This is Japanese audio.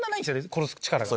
殺す力が。